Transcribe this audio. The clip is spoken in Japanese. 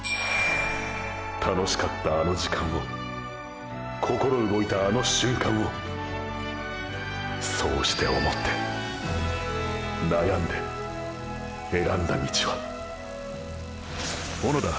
楽しかったあの時間を心動いたあの瞬間をそうして思って悩んで選んだ道は――小野田。